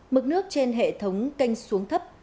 mực nước trên hệ thống kênh xuống thấp